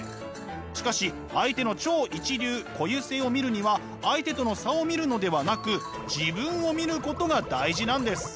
しかし相手の「超一流」「固有性」を見るには相手との差を見るのではなく「自分」を見ることが大事なんです！